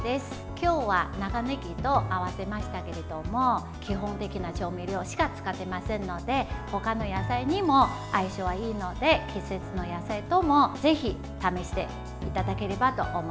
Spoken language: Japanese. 今日は長ねぎと合わせましたけど基本的な調味料しか使っていませんので他の野菜にも相性がいいので季節の野菜でも、ぜひ試していただければと思います。